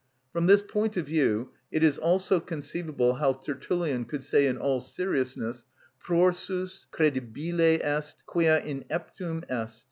From this point of view it is also conceivable how Tertullian could say in all seriousness: "_Prorsus credibile est, quia ineptum est